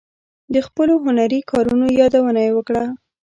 د خپلو هنري کارونو یادونه یې وکړه.